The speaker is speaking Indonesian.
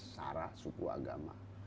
sara suku agama